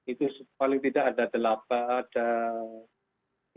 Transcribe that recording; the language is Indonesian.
itu paling tidak ada delapan